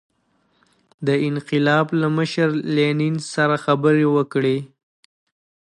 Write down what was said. د انقلاب له مشر لینین سره خبرې وکړي.